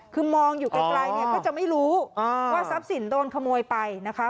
คือมองอยู่ไกลเนี่ยก็จะไม่รู้ว่าทรัพย์สินโดนขโมยไปนะคะ